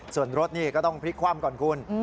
ส่วนรถนี่ก็ต้องพลิกคว่ำก่อนคุณ